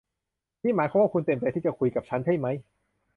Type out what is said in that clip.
นี่หมายความว่าคุณเต็มใจที่จะคุยกับฉันใช่มั้ย